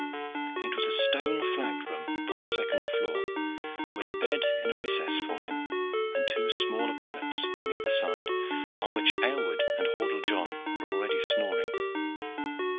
It was a stone flagged room upon the second floor, with a bed in a recess for him, and two smaller pallets on the other side, on which Aylward and Hordle John were already snoring.